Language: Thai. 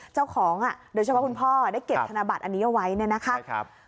เจ้าของโดยเฉพาะคุณพ่อได้เก็บธนบัตรอันนี้เอาไว้เนี่ยนะคะ